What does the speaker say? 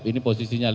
ini posisinya lima